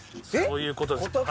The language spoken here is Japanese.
そういうことです。